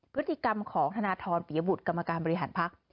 พฤติกรรมของธนทรปิยบุตรกรรมการบริหารพัก